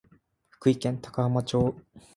福井県高浜町